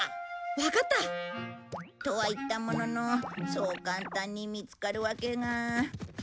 わかった！とは言ったもののそう簡単に見つかるわけが。